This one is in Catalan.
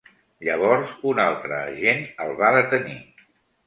Llavors un altre agent el va detenir.